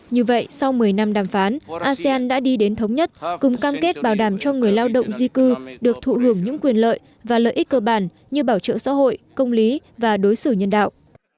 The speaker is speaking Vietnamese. như vậy sau một mươi năm đàm phán asean đã đi đến thống nhất cùng cam kết bảo đảm cho người lao động di cư được thụ hưởng những quyền lợi và lợi ích cơ bản như bảo trợ xã hội công lý và đối xử nhân đạo